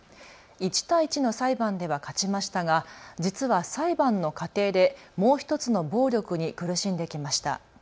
１対１の裁判では勝ちましたが実は裁判の過程でもう１つの暴力に苦しんできました。